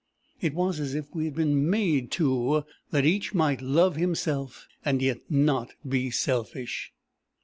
It was as if we had been made two, that each might love himself, and yet not be selfish.